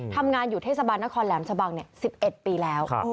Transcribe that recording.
ทำงานอยู่เทศบาลนครแหลมชะบัง๑๑ปีแล้ว